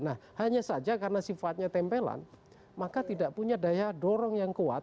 nah hanya saja karena sifatnya tempelan maka tidak punya daya dorong yang kuat